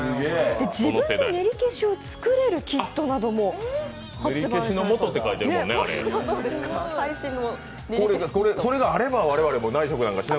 自分でねりけしを作れるキットなども発売されました。